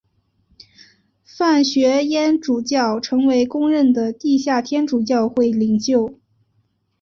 范学淹主教成为公认的地下天主教会领袖。